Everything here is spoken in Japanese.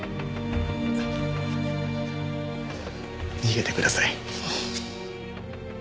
逃げてください。